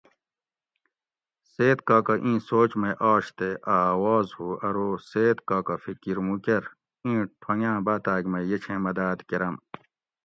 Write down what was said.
"سید کاکاۤ ایں سوچ مئ آش تے اۤ آواز ہُو ارو ""سید کاکا فکر مُو کرۤ اِیں ٹھونگاۤں باۤتاۤگ مئ یہ چھیں مداۤد کرۤم"""